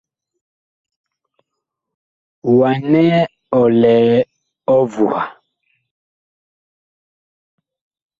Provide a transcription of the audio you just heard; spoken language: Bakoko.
Wa nɛ ɔ lɛ ɔvuha.